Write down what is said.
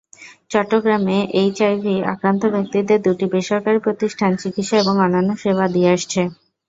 চট্টগ্রামে এইচআইভি আক্রান্ত ব্যক্তিদের দুটি বেসরকারি প্রতিষ্ঠান চিকিৎসা এবং অন্যান্য সেবা দিয়ে আসছে।